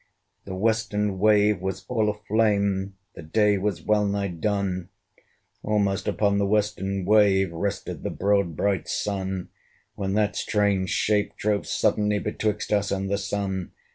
The western wave was all a flame The day was well nigh done! Almost upon the western wave Rested the broad bright Sun; When that strange shape drove suddenly Betwixt us and the Sun.